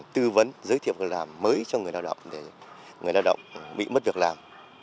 tư vấn giới thiệu việc làm mới cho người lao động để người lao động bị mất việc làm